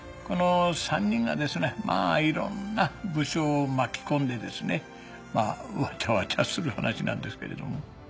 この３人がですねまぁいろんな武将を巻き込んでですねわちゃわちゃする話なんですけれども。